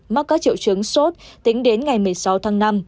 mắc các triệu chứng sốt tính đến ngày một mươi sáu tháng năm